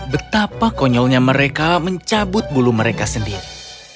betapa konyolnya mereka mencabut bulu mereka sendiri